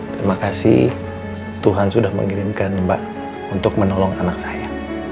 terima kasih tuhan sudah mengirimkan mbak untuk menolong anak saya